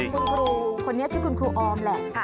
คุณครูคนนี้ชื่อคุณครูออมแหละ